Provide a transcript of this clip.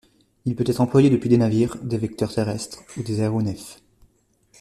Il peut être employé depuis des navires, des vecteurs terrestres ou des aéronefs.